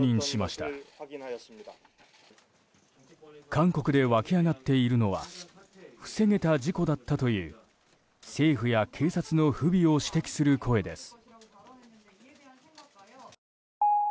韓国で湧き上がっているのは防げた事故だったという政府や警察の不備を指摘する声です。